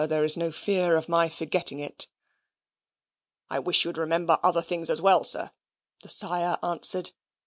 There's no fear of my forgetting it." "I wish you'd remember other things as well, sir," the sire answered.